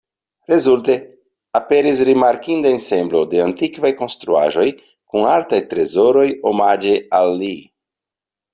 Rezulte, aperis rimarkinda ensemblo de antikvaj konstruaĵoj kun artaj trezoroj omaĝe al li.